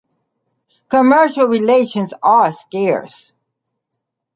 Commercial relations are scarce.